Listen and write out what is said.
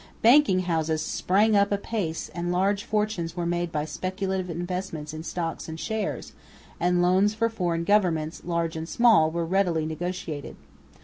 Banking houses sprang up apace, and large fortunes were made by speculative investments in stocks and shares; and loans for foreign governments, large and small, were readily negotiated.